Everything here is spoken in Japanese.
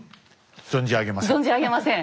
存じ上げません。